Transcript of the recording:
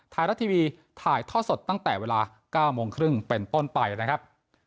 ไทยรัฐทีวีถ่ายท่อสดตั้งแต่เวลา๙โมงครึ่งเป็นต้นไปนะครับ